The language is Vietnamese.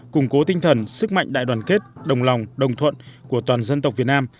củng cố tinh thần sức mạnh đại đoàn kết đồng lòng đồng thuận của toàn dân tộc việt nam